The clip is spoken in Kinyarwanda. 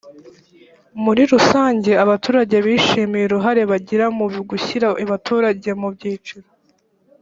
muri rusange abaturage bishimiye uruhare bagira mu gushyira abaturage mu byiciro